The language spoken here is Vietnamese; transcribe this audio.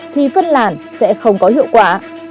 thì phân làn sẽ không có hiệu quả